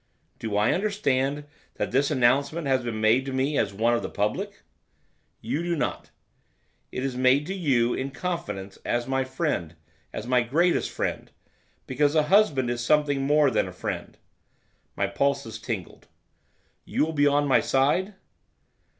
'Do I understand that this announcement has been made to me as one of the public?' 'You do not. It is made to you, in confidence, as my friend, as my greatest friend; because a husband is something more than friend.' My pulses tingled. 'You will be on my side?